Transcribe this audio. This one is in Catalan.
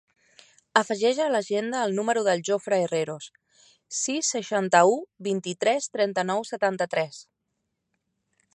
Afegeix a l'agenda el número del Jofre Herreros: sis, seixanta-u, vint-i-tres, trenta-nou, setanta-tres.